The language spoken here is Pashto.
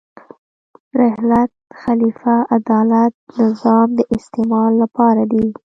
رحلت، خلیفه، عدالت، نظام د استعمال لپاره دي.